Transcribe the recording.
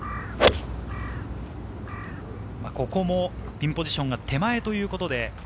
ここもピンポジションが手前ということで。